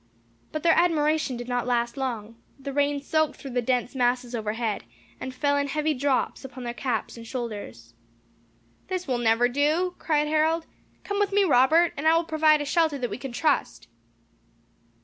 But their admiration did not last long; the rain soaked through the dense masses over head, and fell in heavy drops upon their caps and shoulders. "This will never do," cried Harold. "Come with me, Robert, and I will provide a shelter that we can trust."